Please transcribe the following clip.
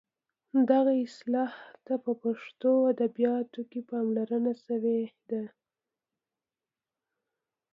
دغه اصل ته په پښتو ادبیاتو کې پاملرنه شوې ده.